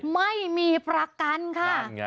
ไม่มีประกันค่ะ